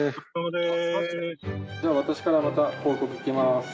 じゃあ私からまた報告いきます。